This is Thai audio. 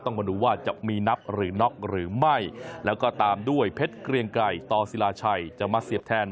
มาดูว่าจะมีนับหรือน็อกหรือไม่แล้วก็ตามด้วยเพชรเกรียงไก่ต่อศิลาชัยจะมาเสียบแทน